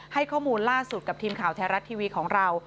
ให้ข้อมูลล่าสุดกับทีมข่าวไทยรัฐทีวีของเรา